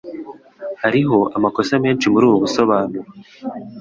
Hariho amakosa menshi muri ubu busobanuro.